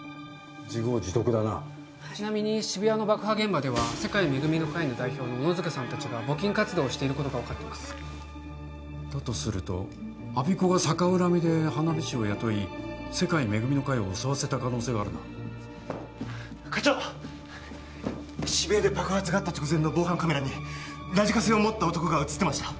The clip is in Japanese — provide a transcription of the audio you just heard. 自業自得だなちなみに渋谷の爆破現場では世界恵みの会の代表の小野塚さんたちが募金活動をしていることが分かってますだとすると我孫子が逆恨みで花火師を雇い世界恵みの会を襲わせた可能性があるな課長渋谷で爆発があった直前の防犯カメラにラジカセを持った男が写ってました